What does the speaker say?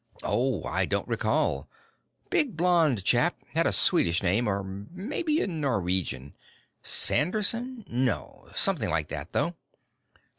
"Oh, I don't recall. Big, blond chap. Had a Swedish name or maybe Norwegian. Sanderson? No. Something like that, though."